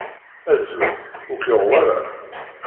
Azul, ur k-yuɣ wara?